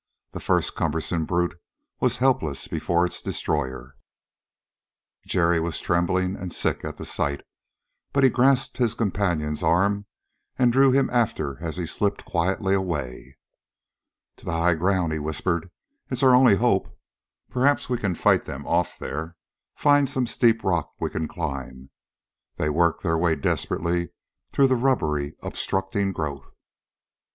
The first cumbersome brute was helpless before its destroyer. Jerry was trembling and sick at the sight, but he grasped his companion's arm and drew him after as he slipped quietly away. "To the high ground," he whispered. "It's our only hope. Perhaps we can fight them off there find some steep rock we can climb." They worked their way desperately through the rubbery, obstructing growth.